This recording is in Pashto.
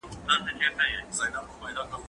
زه به سبا د تکړښت لپاره ولاړم!.